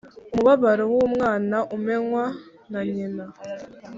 Umubabaro w’umwana umenywa na nyina.